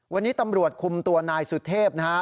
วันนี้ตำรวจคุมตัวนายสุเทพนะฮะ